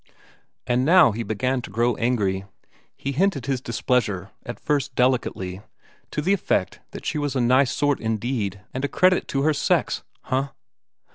And now he began to grow angry; he hinted his displeasure at first delicately: to the effect that she was a nice sort indeed, and a credit to her sex, huh!